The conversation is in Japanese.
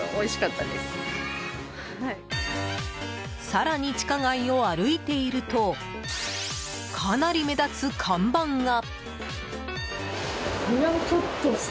更に、地下街を歩いているとかなり目立つ看板が。